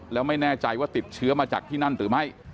แล้วไม่แน่ใจว่าติดเชื้อมาจากที่นั่นหรือไม่